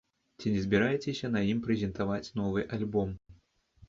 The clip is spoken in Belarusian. Ці не збіраецеся на ім прэзентаваць новы альбом?